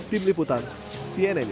tim liputan cnn indonesia